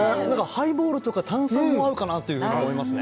ハイボールとか炭酸も合うかなというふうに思いますね